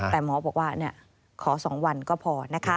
แต่หมอบอกว่าขอ๒วันก็พอนะคะ